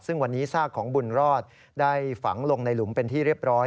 ซึ่งวันนี้ซากของบุญรอดได้ฝังลงในหลุมเป็นที่เรียบร้อย